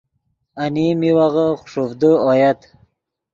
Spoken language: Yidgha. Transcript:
انیم میوغے خوݰوڤدے اویت۔